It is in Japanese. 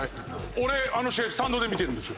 俺あの試合スタンドで見てるんですよ。